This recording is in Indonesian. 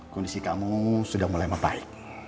kondisi kamu sudah mulai membaik